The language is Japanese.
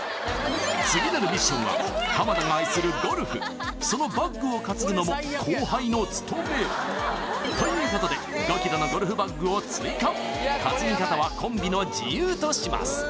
次なるミッションは浜田が愛するゴルフそのバッグを担ぐのも後輩の務めということで５キロのゴルフバッグを追加担ぎ方はコンビの自由とします